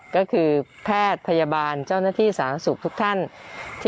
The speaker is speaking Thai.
แต่ใส่สิ้นตาละหลังใส่สิ้นตาละหลัง